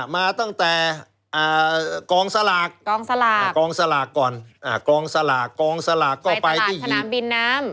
มาตั้งแต่กองสลากกองสลากก่อนกองสลากก็ไปที่ยี่ปั๊ว